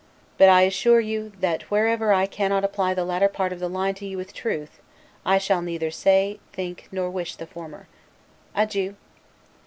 But I assure you, that wherever I cannot apply the latter part of the line to you with truth, I shall neither say, think, or wish the former. Adieu!